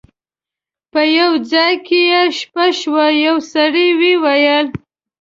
په یو ځای کې یې شپه شوه یو سړي وویل.